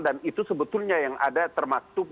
dan itu sebetulnya yang ada termaktub